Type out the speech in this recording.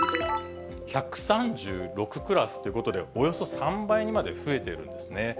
１３６クラスということで、およそ３倍にまで増えているんですね。